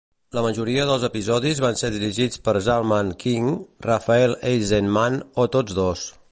La majoria dels episodis van ser dirigits per Zalman King, Rafael Eisenman o tots dos.